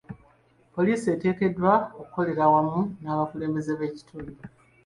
Poliisi eteekeddwa okukolera awamu n'abakulembeze b'ekitundu.